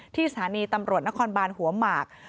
ที่สถานีตำรวจนครบานหัวหมาก